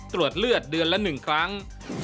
ตรวจเลือดเดือนละ๑ครั้ง